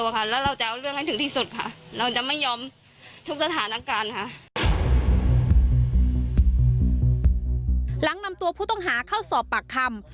หลังนำตัวผู้ต้องหาเข้าสอบปากคำ